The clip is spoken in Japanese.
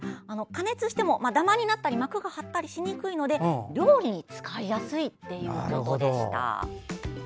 加熱してもダマになったり膜が張ったりしにくいので料理に使いやすいということでした。